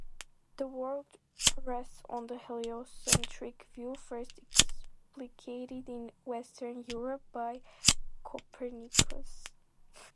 "The World" rests on the heliocentric view, first explicated in Western Europe by Copernicus.